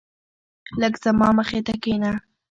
لږ زما مخی ته کينه